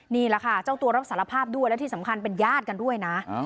นี่แหละค่ะเจ้าตัวรับสารภาพด้วยและที่สำคัญเป็นญาติกันด้วยนะ